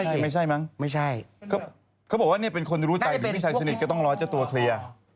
เป็นไม่ใช่มั้งเขาบอกว่านี่เป็นคนรู้ใจดีไม่ใช่สนิทก็ต้องร้อยเจ้าตัวเคลียร์